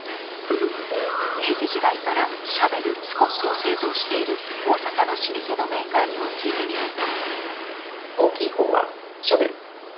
明治時代からシャベル・スコップを製造している大阪の老舗のメーカーにも聞いてみると。